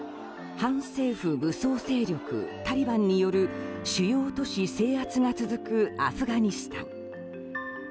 反政府武装勢力タリバンによる主要都市制圧が続くアフガニスタン。